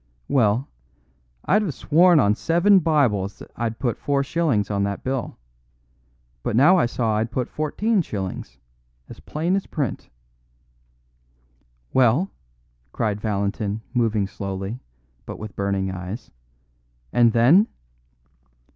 "Well, I'd have sworn on seven Bibles that I'd put 4s. on that bill. But now I saw I'd put 14s., as plain as paint." "Well?" cried Valentin, moving slowly, but with burning eyes, "and then?"